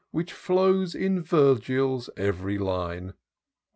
Which flows in Virgil's ev'ry line.